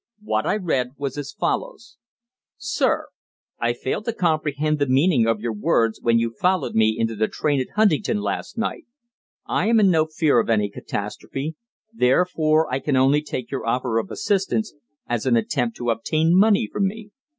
What I read was as follows: _"Sir, I fail to comprehend the meaning of your words when you followed me into the train at Huntingdon last night. I am in no fear of any catastrophe; therefore I can only take your offer of assistance as an attempt to obtain money from me.